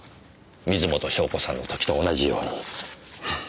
水元湘子さんの時と同じように。